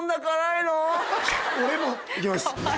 行きます。